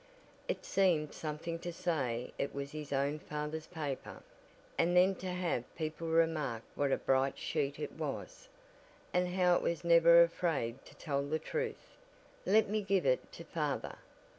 It seemed something to say it was his own father's paper, and then to have people remark what a bright sheet it was, and how it was never afraid to tell the truth. "Let me give it to father?"